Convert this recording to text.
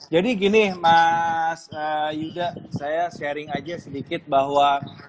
jadi gini mas yuda saya sharing aja sedikit bahwa